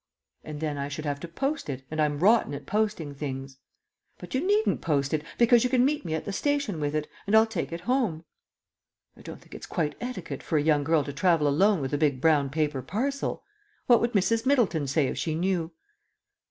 "And then I should have to post it, and I'm rotten at posting things." "But you needn't post it, because you can meet me at the station with it, and I'll take it home." "I don't think it's quite etiquette for a young girl to travel alone with a big brown paper parcel. What would Mrs. Middleton say if she knew?"